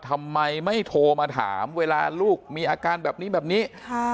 ทำไมไม่โทรมาถามเวลาลูกมีอาการแบบนี้แบบนี้